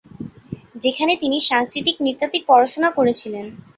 যেখানে তিনি সাংস্কৃতিক নৃতাত্ত্বিক পড়াশোনা করেছিলেন।